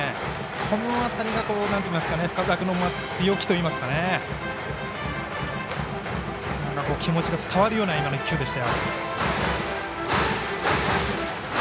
この辺り、深沢君の強気というか気持ちが伝わるような１球でした。